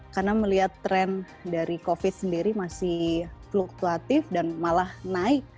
karena melihat tren dari covid sendiri masih fluktuatif dan malah naik